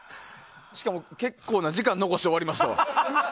しかも結構な時間を残して終わりましたわ。